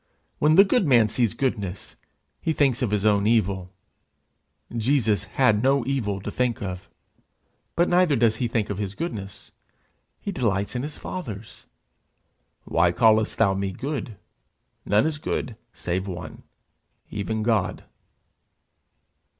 When the good man sees goodness, he thinks of his own evil: Jesus had no evil to think of, but neither does he think of his goodness; he delights in his Father's. 'Why callest thou me good? None is good save one, even God.'